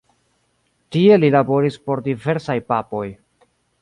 Tie li laboris por diversaj papoj.